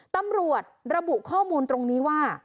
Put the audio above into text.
ตำรวจระบุข้อมูลตรงนี้ว่า